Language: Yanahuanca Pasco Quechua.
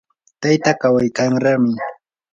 tayta kawaykanraami.